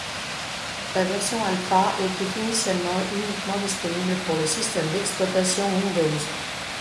La version alpha était initialement uniquement disponible pour le système d'exploitation Windows.